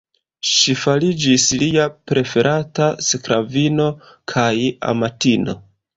Ŝi fariĝis lia preferata sklavino kaj amatino.